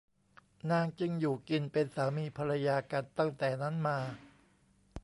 นางจึงอยู่กินเป็นสามีภรรยากันตั้งแต่นั้นมา